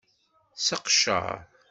Seqcer.